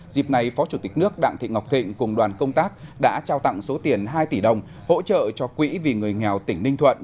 dịp này phó chủ tịch nước đặng thị ngọc thịnh cùng đoàn công tác đã trao tặng số tiền hai tỷ đồng hỗ trợ cho quỹ vì người nghèo tỉnh ninh thuận